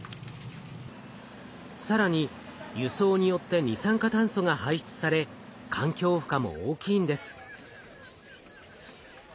更に輸送によって二酸化炭素が排出され環境負荷も大きいんです。